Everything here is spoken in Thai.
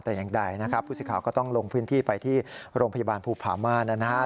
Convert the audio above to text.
แต่อย่างใดนะครับผู้สิทธิ์ก็ต้องลงพื้นที่ไปที่โรงพยาบาลภูผาม่านะครับ